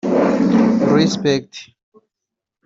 Respect